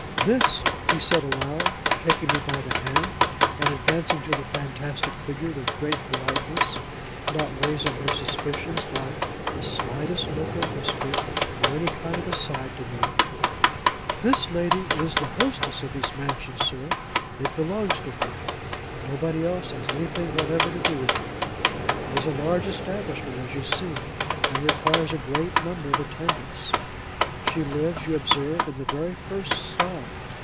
'This,' he said aloud, taking me by the hand, and advancing to the fantastic figure with great politeness—not raising her suspicions by the slightest look or whisper, or any kind of aside, to me: 'This lady is the hostess of this mansion, sir. It belongs to her. Nobody else has anything whatever to do with it. It is a large establishment, as you see, and requires a great number of attendants. She lives, you observe, in the very first style.